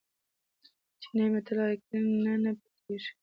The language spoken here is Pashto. چینایي متل وایي کړنې نه پټېږي.